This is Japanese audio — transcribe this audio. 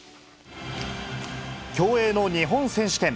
競泳の日本選手権。